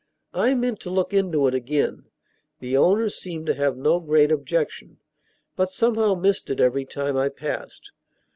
I meant to look into it again (the owners seemed to have no great objection), but somehow missed it every time I passed.